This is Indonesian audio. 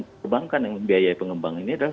pengembangkan yang biaya pengembang ini adalah